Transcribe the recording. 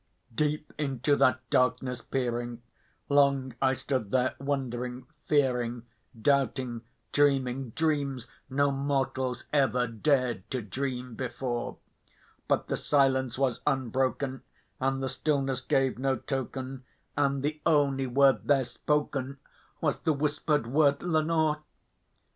Deep into that darkness peering, long I stood there wondering, fearing, Doubting, dreaming dreams no mortals ever dared to dream before; But the silence was unbroken, and the stillness gave no token, And the only word there spoken was the whispered word, "Lenore!"